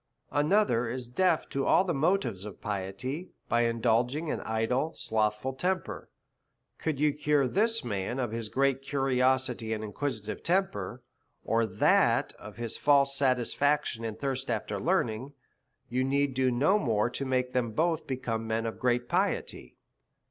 Another is deaf to all the motives to piety, by indulging an idle, slothful temper. Could you cure this man of his great curiosity and inquisitive temper, or that of his false satisfaction and thirst after learning, you need do no more to make them both become men of great piety.